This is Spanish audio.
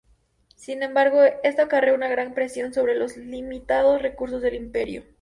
Sin embargo, esto acarreó una gran presión sobre los limitados recursos del Imperio.